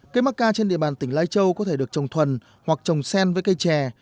cây mắc ca trên địa bàn tỉnh lai châu có thể được trồng thuần hoặc trồng sen với cây chè